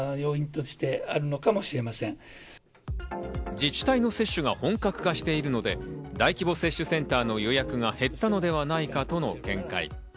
自治体の接種が本格化しているので大規模接種センターの予約が減ったのではないかとの見解。